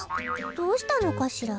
どうしたのかしら？